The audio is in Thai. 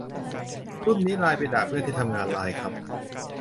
รุ่นนี้ไลน์ไปด่าเพื่อนที่ทำงานไลน์ครับ